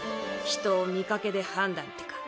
人を見かけで判断ってか。